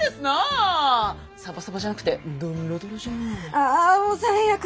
あもう最悪。